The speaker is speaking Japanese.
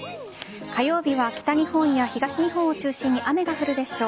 火曜日は北日本や東日本を中心に雨が降るでしょう。